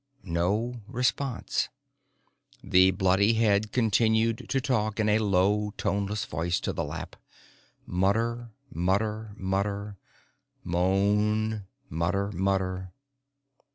No response. The bloody head continued to talk in a low, toneless voice to the lap. Mutter, mutter, mutter. Moan. Mutter, mutter.